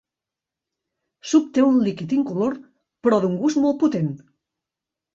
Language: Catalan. S'obté un líquid incolor però d'un gust molt potent.